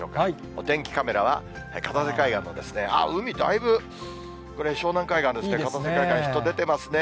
お天気カメラは、片瀬海岸のあっ、海、だいぶ、これ、湘南海岸ですね、片瀬海岸、人出てますね。